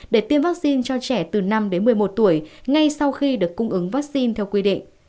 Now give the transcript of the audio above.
để tiêm vaccine cho trẻ từ năm đến một mươi một tuổi ngay sau khi được cung ứng vaccine theo quy định